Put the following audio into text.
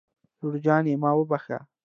لور جانې ما وبښه